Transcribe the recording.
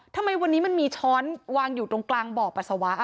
ทำไมวันนี้มันมีช้อนวางอยู่ตรงกลางบ่อปัสสาวะ